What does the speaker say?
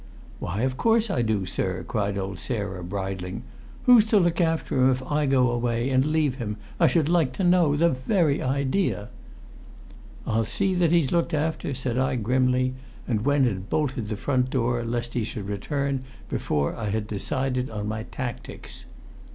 "Why, of course I do, sir," cried old Sarah, bridling. "Who's to look after him, if I go away and leave him, I should like to know? The very idea!" "I'll see that he's looked after," said I, grimly, and went and bolted the front door, lest he should return before I had decided on my tactics.